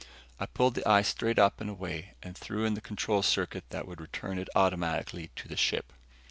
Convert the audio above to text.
I pulled the eye straight up and away and threw in the control circuit that would return it automatically to the ship.